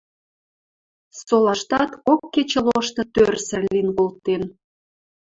Солаштат кок кечӹ лошты тӧрсӹр лин колтен.